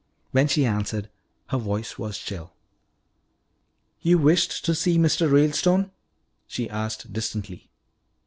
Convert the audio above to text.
When she answered, her voice was chill. "You wished to see Mr. Ralestone?" she asked distantly.